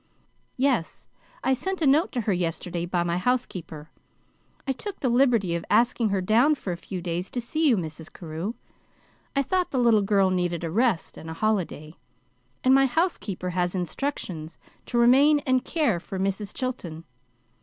"Yes. I sent a note to her yesterday by my housekeeper. I took the liberty of asking her down for a few days to see you, Mrs. Carew. I thought the little girl needed a rest and a holiday; and my housekeeper has instructions to remain and care for Mrs. Chilton.